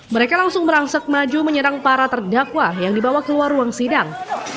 mereka langsung merangsek maju menyerang para terdakwa yang dibawa keluar ruang sidang